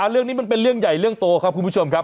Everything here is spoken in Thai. เรื่องนี้มันเป็นเรื่องใหญ่เรื่องโตครับคุณผู้ชมครับ